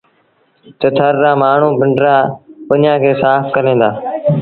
تا ٿر رآ مآڻهوٚٚݩ پنڊريٚآݩ ٻنيٚآݩ کي سآڦ ڪريݩ دآ۔